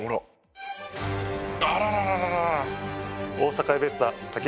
「あらららら！」